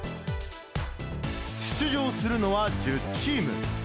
出場するのは１０チーム。